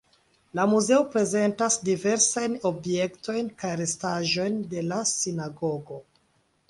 La muzeo prezentas diversajn objektojn kaj restaĵojn de la sinagogo.